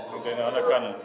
tức là nó lại cần